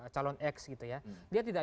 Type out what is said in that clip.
calon x gitu ya dia tidak